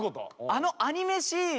あのアニメシーン